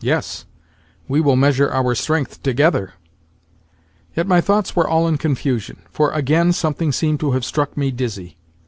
"Yes, we will measure our strength together." Yet my thoughts were all in confusion, for again something seemed to have struck me dizzy.